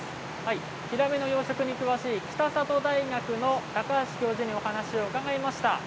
ヒラメの養殖に詳しい北里大学の高橋教授にお話を伺いました。